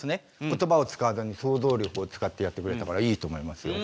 言葉を使わずに想像力を使ってやってくれたからいいと思いますよ。